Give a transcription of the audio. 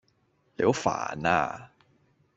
你好煩呀